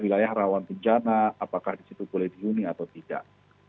kemudian wilayah wilayah rawan penjana apakah di situ boleh dihuni atau tidak